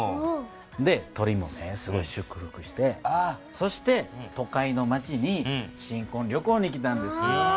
で鳥もすごい祝福してそして都会の町に新こん旅行に来たんですよ。